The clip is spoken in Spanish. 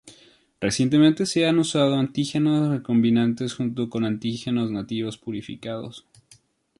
Recientemente se han usado antígenos recombinantes junto con antígenos nativos purificados.